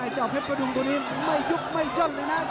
เจ้าเพชรประดุงตัวนี้ไม่ยุบไม่ย่นเลยนะ